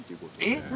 えっ？